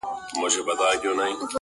غزرائيل د دښمنانو -